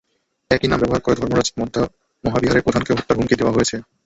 একই নাম ব্যবহার করে ধর্মরাজিক মহাবিহারের প্রধানকেও হত্যার হুমকি দেওয়া হয়েছে।